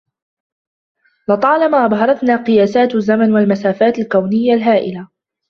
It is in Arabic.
لطالما أبهرتنا قياسات الزمن والمسافات الكونية الهائلة